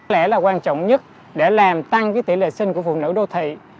lẽ là quan trọng nhất để làm tăng tỷ lệ sinh của phụ nữ đô thị